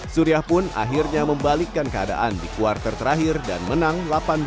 suriah pun akhirnya membalikkan keadaan di kuartal terakhir dan menang delapan dua tujuh enam